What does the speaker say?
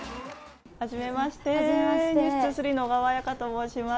はじめまして、「ｎｅｗｓ２３」の小川彩佳と申します。